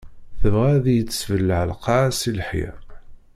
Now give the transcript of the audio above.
Tebɣa ad iyi-tessebleɛ lqaɛa si leḥya.